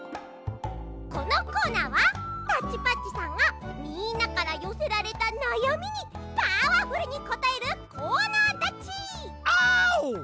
このコーナーはタッチパッチさんがみんなからよせられたなやみにパワフルにこたえるコーナーだっち！アオ！